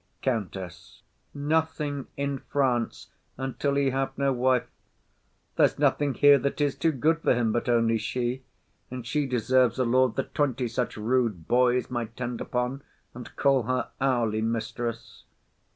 COUNTESS. Nothing in France until he have no wife! There's nothing here that is too good for him But only she, and she deserves a lord That twenty such rude boys might tend upon, And call her hourly mistress.